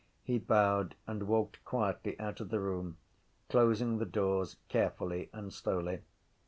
He bowed and walked quietly out of the room, closing the doors carefully and slowly.